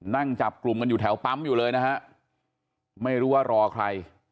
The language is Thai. นั่งจับกลุ่มกันอยู่แถวปั๊มอยู่เลยนะฮะไม่รู้ว่ารอใคร